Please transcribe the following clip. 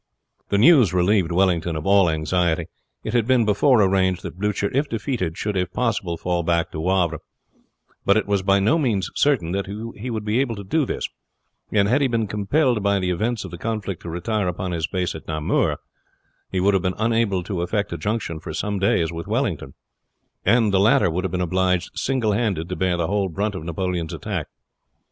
The news relieved Wellington of all anxiety. It had been before arranged that Blucher if defeated, should if possible fall back to Wavre; but it was by no means certain that he would be able to do this, and had he been compelled by the events of the conflict to retire upon his base at Namur he would have been unable to effect a junction for some days with Wellington, and the latter would have been obliged single handed to bear the whole brunt of Napoleon's attack.